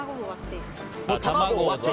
卵を割って。